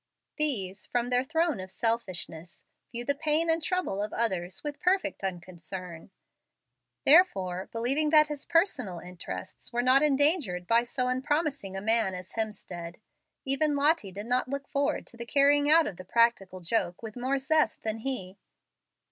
These, from their throne of selfishness, view the pain and troubles of others with perfect unconcern. Therefore, believing that his personal interests were not endangered by so unpromising a man as Hemstead, even Lottie did not look forward to the carrying out of the practical joke with more zest than he.